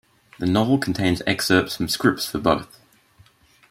The novel contains excerpts from scripts for both.